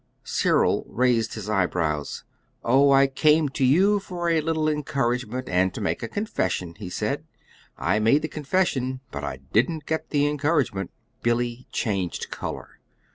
Cyril raised his eyebrows. "Oh, I came to you for a little encouragement, and to make a confession," he said. "I made the confession but I didn't get the encouragement." Billy changed color.